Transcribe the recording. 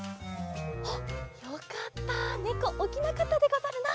おっよかったねこおきなかったでござるな。